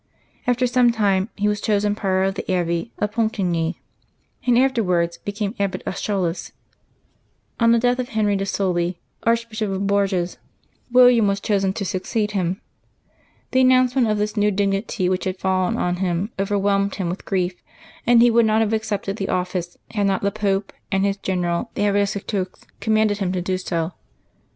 After some time he was chosen Prior of the Abbey of Pontigny, and afterwards became Abbot of Chaalis. On the death of Henri de Sully, Archbishop of Bourges, William was 32 LIVES OF. THE SAINTS [Januaby 11 chosen to succeed him. The announcement of this new dignity which had fallen on him overwhelmed him with grief, and he would not have accepted the office had not the Pope and his General, the Abbot of Citeaux, com manded him to do so.